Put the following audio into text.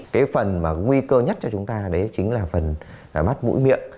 cái phần mà nguy cơ nhất cho chúng ta đấy chính là phần mắt mũi miệng